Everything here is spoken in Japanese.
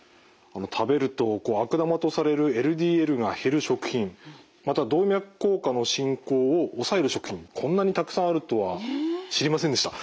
食べると悪玉とされるＬＤＬが減る食品また動脈硬化の進行を抑える食品こんなにたくさんあるとは知りませんでした。